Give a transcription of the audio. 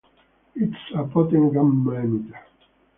It is a potent gamma emitter.